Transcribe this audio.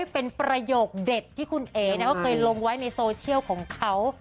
เป็นประโยคเด็ดที่คุณเอ๋เขาเคยลงไว้ในโซเชียลของเขา